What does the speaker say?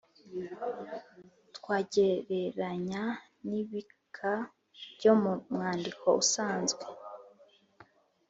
twagereranya n’ibika byo mu mwandiko usanzwe